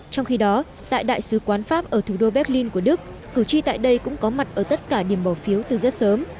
trong khi đó tại đại sứ quán pháp ở thủ đô berlin của đức cử tri tại đây cũng có mặt ở tất cả điểm bỏ phiếu từ rất sớm